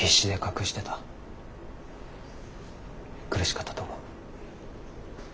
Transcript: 苦しかったと思う。